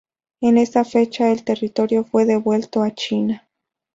En esa fecha el territorio fue devuelto a China.